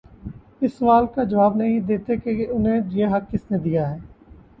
وہ اس سوال کا جواب نہیں دیتے کہ انہیں یہ حق کس نے دیا ہے۔